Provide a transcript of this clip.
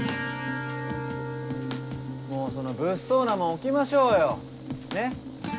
もうその物騒なもん置きましょうよねっ。